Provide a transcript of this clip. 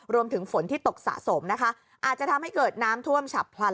ฝนที่ตกสะสมนะคะอาจจะทำให้เกิดน้ำท่วมฉับพลัน